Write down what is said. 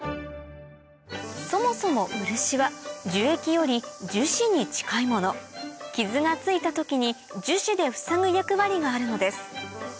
そもそも漆は樹液より樹脂に近いもの傷がついた時に樹脂でふさぐ役割があるのです